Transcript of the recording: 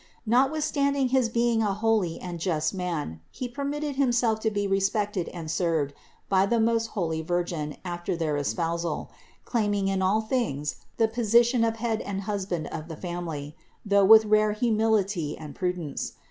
Notwithstanding his being a holy and just man, he permitted himself to be respected and served by the most holy Virgin after their espousal, claiming in all things the position of head and husband of the family, though with rare humility and prudence.